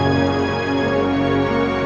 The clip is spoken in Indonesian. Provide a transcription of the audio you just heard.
saya begini aja something